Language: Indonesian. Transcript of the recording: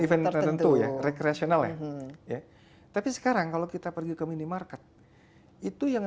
event tertentu ya rekreasional ya tapi sekarang kalau kita pergi ke minimarket itu yang